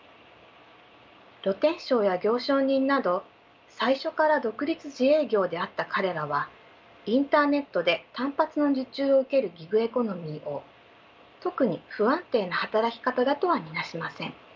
露天商や行商人など最初から独立自営業であった彼らはインターネットで単発の受注を受けるギグエコノミーを特に不安定な働き方だとは見なしません。